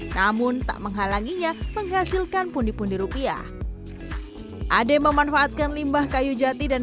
namun tak menghalanginya menghasilkan pundi pundi rupiah ade memanfaatkan limbah kayu jati dan